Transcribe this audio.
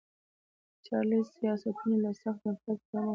د چارلېز سیاستونه له سخت نفرت سره مخ شول.